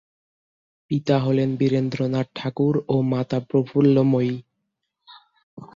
পিতা হলেন বীরেন্দ্রনাথ ঠাকুর ও মাতা প্রফুল্লময়ী।